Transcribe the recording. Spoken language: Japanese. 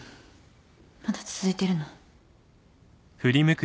まだ続いてるの？